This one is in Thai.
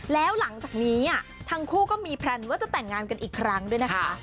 แล้วหลังจากนี้ทั้งคู่ก็มีแพลนว่าจะแต่งงานกันอีกครั้งด้วยนะคะ